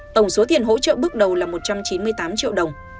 tổng số tiền hỗ trợ bước đầu là một trăm chín mươi tám triệu đồng